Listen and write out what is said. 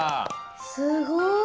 すごい。